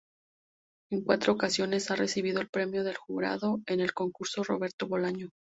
En cuatro ocasiones ha recibido el Premio del Jurado en el Concurso Roberto Bolaño.